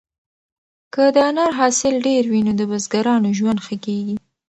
که د انار حاصل ډېر وي نو د بزګرانو ژوند ښه کیږي.